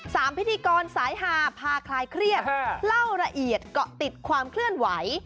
พิธีกรสายหาพาคลายเครียดเล่าละเอียดเกาะติดความเคลื่อนไหว